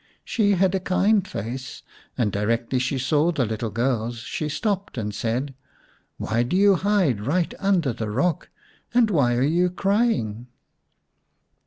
She had a kind face, and directly she saw the little girls she stopped and said, " Why do you hide right under the rock, and why are you crying